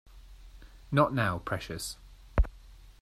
Not now, precious.